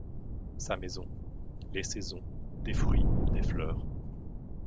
Sa maison, les saisons, des fruits, des fleurs.